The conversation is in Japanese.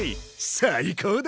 最高だ！